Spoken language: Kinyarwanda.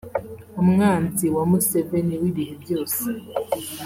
umwanzi wa Museveni w’ibihe byose